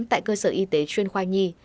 tại cơ sở y tế chuyên khoa nhi